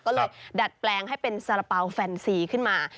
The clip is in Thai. ก็เลยดัดแปลงให้เป็นสาระเป๋าแฟนซีขึ้นมา